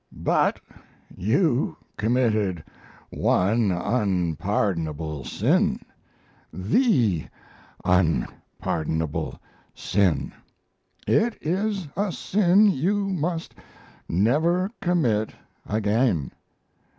But you committed one unpardonable sin the unpardonable sin. It is a sin you must never commit again.